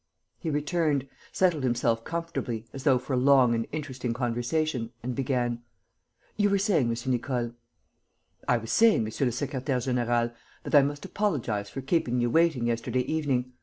He returned, settled himself comfortably, as though for a long and interesting conversation, and began: "You were saying, M. Nicole?" "I was saying, monsieur le secrétaire; général, that I must apologize for keeping you waiting yesterday evening.